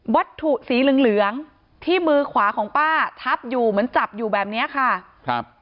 บัตถุสีเหลืองที่มือขวาของป้าทับอยู่เหมือนจับอยู่แบบนี้ค่ะ